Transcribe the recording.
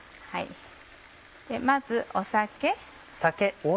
まず酒。